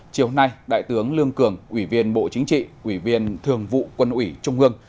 chiều nay đại tướng lương cường ủy viên bộ chính trị ủy viên thường vụ quân ủy trung ương